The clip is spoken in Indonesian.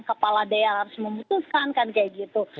kepala daerah harus memutuskan kan kayak gitu